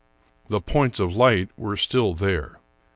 The points of light were still there.